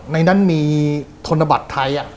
ในนั้นมีธนบัตรไทย